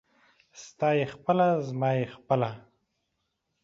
ستا يې خپله ، زما يې خپله.